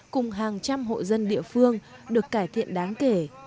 cùng hàng trăm hộ dân địa phương được cải thiện đáng kể